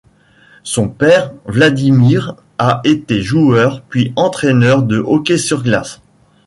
Son père Vladimir a été joueur puis entraîneur de hockey sur glace.